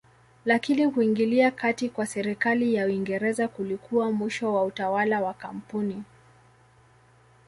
Lakini kuingilia kati kwa serikali ya Uingereza kulikuwa mwisho wa utawala wa kampuni.